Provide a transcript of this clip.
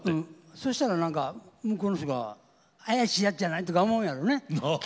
そうしたら向こうの人が怪しいやつじゃないと思うんやろうね。